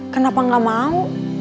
kenapa gak mau